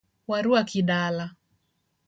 Waruaki dala.